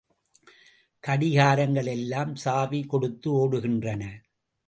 கடிகாரங்கள் எல்லாம் சாவி கொடுத்து ஓடுகின்றன.